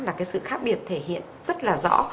là cái sự khác biệt thể hiện rất là rõ